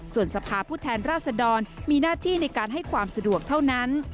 ส่วนสภาพผู้แทนราชดรมีหน้าที่ในการให้ความสะดวกเท่านั้น